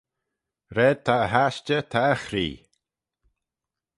Raad ta e hashtey ta e chree.